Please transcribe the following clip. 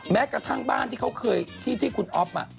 แม้กระทั่งบ้านที่เขาเคยที่คุณอ๊อฟ